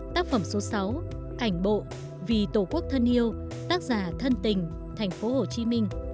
tác phẩm số sáu ảnh bộ vì tổ quốc thân yêu tác giả thân tình tp hcm